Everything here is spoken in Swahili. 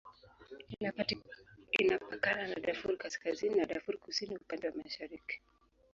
Inapakana na Darfur Kaskazini na Darfur Kusini upande wa mashariki.